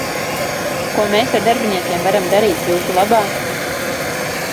Ko mēs ar darbiniekiem varam darīt jūsu labā?